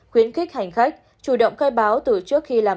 khuyến khích hành khách chủ động khai báo từ trước khi làm